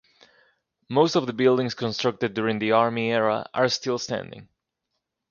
Most of the buildings constructed during the Army era are still standing.